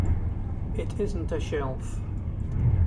It isn’t a shelf.